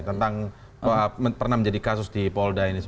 tentang pernah menjadi kasus di polda ini